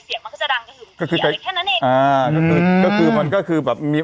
เสียงมันก็จะดังกระถุงกี่อะไรแค่นั้นเองอ่าก็คือมันก็คือแบบมี